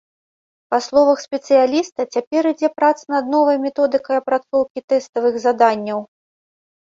Па словах спецыяліста, цяпер ідзе праца над новай методыкай апрацоўкі тэставых заданняў.